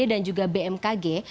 dan juga bmkg